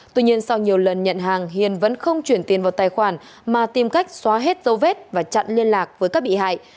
tuy nhiên sau nhiều lần nhận hàng hiền vẫn không chuyển tiền vào tài khoản mà tìm cách xóa hết dấu vết và chặn liên lạc với các bị hại